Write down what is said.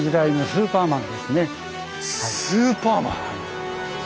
スーパーマン！